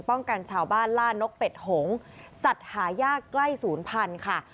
กันชาวบ้านล่านกเป็ดหงสัตว์หายากใกล้ศูนย์พันธุ์ค่ะ